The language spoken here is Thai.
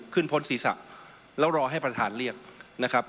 พ้นศีรษะแล้วรอให้ประธานเรียกนะครับ